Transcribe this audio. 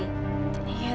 tunggu ya tante